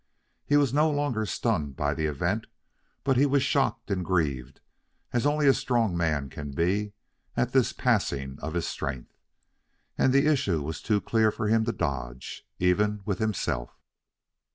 He was no longer stunned by the event, but he was shocked and grieved, as only a strong man can be, at this passing of his strength. And the issue was too clear for him to dodge, even with himself.